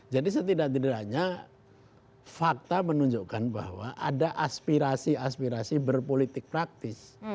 jadi setidak tidaknya fakta menunjukkan bahwa ada aspirasi aspirasi berpolitik praktis